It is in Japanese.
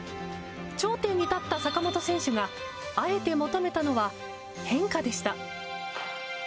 頂点に立った坂本選手があえて求めたのは変化でした。